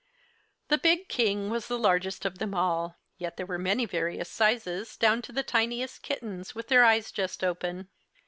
The big King was the largest of them all; yet there were many various sizes, down to the tiniest kittens with their eyes just open.